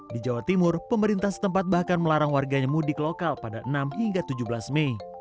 di jawa timur pemerintah setempat bahkan melarang warganya mudik lokal pada enam hingga tujuh belas mei